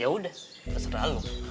ya udah terserah lo